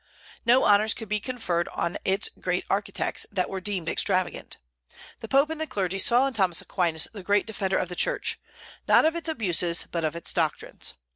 No honors could be conferred on its great architects that were deemed extravagant. The Pope and the clergy saw in Thomas Aquinas the great defender of the Church, not of its abuses, but of its doctrines.